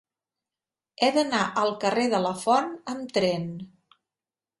He d'anar al carrer de Lafont amb tren.